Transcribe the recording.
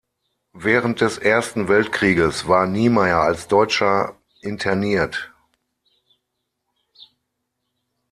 Während des Ersten Weltkrieges war Niemeyer als Deutscher interniert.